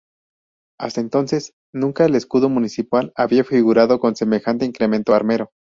Hasta entonces nunca el escudo municipal había figurado con semejante incremento armero.